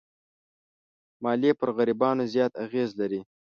مالیې پر غریبانو زیات اغېز لري.